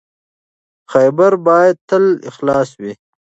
خیبر باید تل خلاص وي.